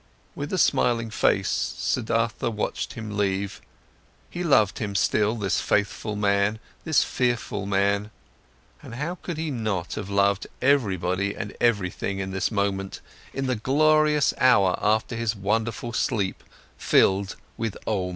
With a smiling face, Siddhartha watched him leave, he loved him still, this faithful man, this fearful man. And how could he not have loved everybody and everything in this moment, in the glorious hour after his wonderful sleep, filled with Om!